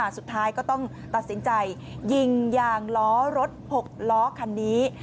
สุดท้ายก็ต้องตัดสินใจยิงยางล้อรถ๖ล้อคันนี้